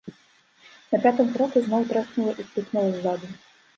На пятым кроку зноў трэснула і стукнула ззаду.